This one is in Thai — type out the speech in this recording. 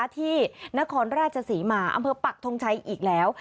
ที่นครราชศรีมาอำเภอปักทงชัยอีกแล้ว